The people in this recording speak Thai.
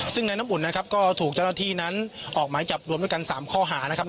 ซึ่งนายน้ำอุ่นนะครับก็ถูกเจ้าหน้าที่นั้นออกหมายจับรวมด้วยกัน๓ข้อหานะครับ